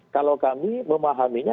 kalau kami memahaminya